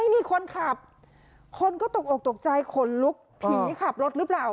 มีคนขับคนก็ตกออกตกใจขนลุกผีขับรถหรือเปล่า